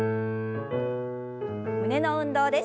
胸の運動です。